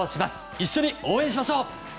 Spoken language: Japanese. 一緒に応援しましょう。